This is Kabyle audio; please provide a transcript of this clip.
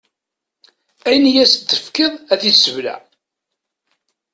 Ayen i yas-d-tefkiḍ ad t-issebleɛ.